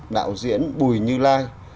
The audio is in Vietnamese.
đạo diễn bùi như lai